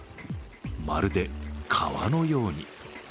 まるで川のように。